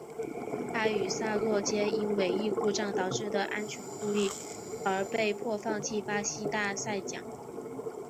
他与萨洛皆因尾翼故障导致的安全顾虑而被迫放弃巴西大奖赛。